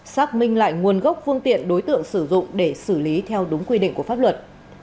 xác minh lại nguồn gốc phương tiện đối tượng sử dụng để xử lý theo đúng quy định của pháp luật